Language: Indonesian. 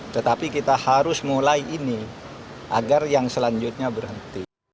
tetapi kita harus mulai ini agar yang selanjutnya berhenti